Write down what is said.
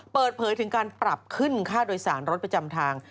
เปิดเผยถึงการปรับขึ้นค่าโดยสารรถประจำทาง